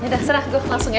yaudah serah go langsung ya